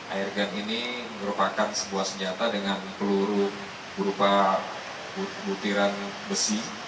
airgun ini merupakan sebuah senjata dengan peluru berupa butiran besi